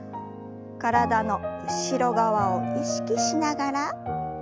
体の後ろ側を意識しながら戻して。